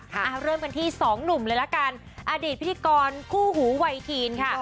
เอาเริ่มกันที่สองหนุ่มเลยละกันอดีตพิธีกรคู่หูไวทีนค่ะ